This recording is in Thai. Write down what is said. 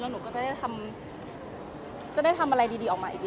แล้วหนูก็จะได้ทำอะไรดีออกมาอีกเยอะ